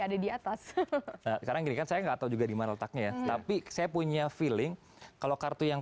ada di atas sekarang gini kan saya nggak tahu juga dimana letaknya ya tapi saya punya feeling kalau kartu yang